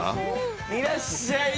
いらっしゃいね。